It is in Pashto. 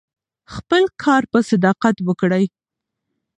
خپل کار په صداقت وکړئ.